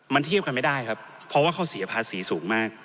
มันเทียบกันไม่ได้ครับเพราะว่าเขาเสียภาษีสูงมาก